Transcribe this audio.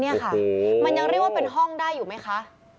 นี่ค่ะมันยังเรียกว่าเป็นห้องได้อยู่ไหมคะ